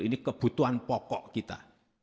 ini kebutuhan pokok kita